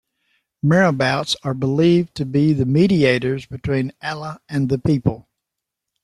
Marabouts are believed to be the mediators between Allah and the people.